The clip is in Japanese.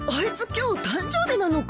今日誕生日なのか。